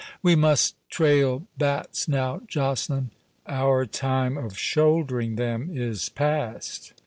"We must trail bats now, Joceline—our time of shouldering them is past.